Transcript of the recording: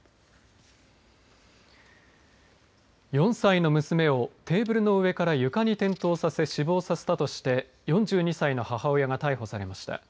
４歳の娘をテーブルの上から床に転倒させ死亡させたとして４２歳の母親が逮捕されました。